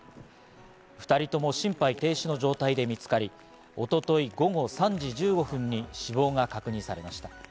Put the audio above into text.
２人とも心肺停止の状態で見つかり、一昨日、午後３時１５分に死亡が確認されました。